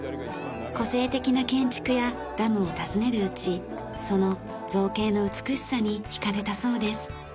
個性的な建築やダムを訪ねるうちその造形の美しさに引かれたそうです。